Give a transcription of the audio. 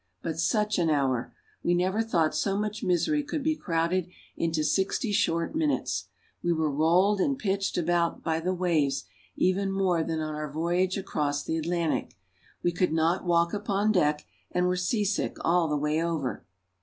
But such an hour! We never thought so much misery could be crowded into sixty short minutes. We were rolled and pitched about by the waves even more than on our voyage across the Atlantic. We could not walk upon 'deck, and were seasick all the way over.